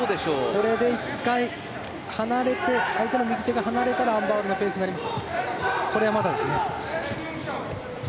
これで１回相手の右手が離れたらアン・バウルのペースになります。